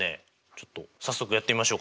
ちょっと早速やってみましょうか。